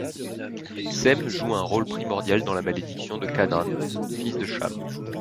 Sem joue un rôle primordial dans la malédiction de Canaan, fils de Cham.